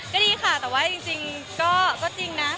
ก็ดีค่ะแต่ว่าจริงก็จริงนะ